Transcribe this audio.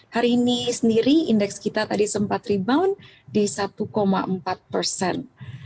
hari ini sendiri indeks kita tadi sempat rebound di satu empat persen